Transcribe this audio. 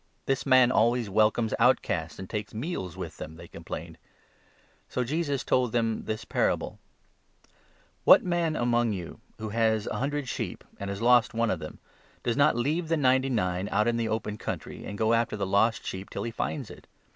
"This man always welcomes outcasts, and takes meals with them !" they complained. So Jesus told them this 3 parable — Parable "What man among you who has a hundred 4 of the sheep, and has lost one of them, does not leave the lost sheep, ninety nine out in the open country, andgoafterthe lost sheep till he finds it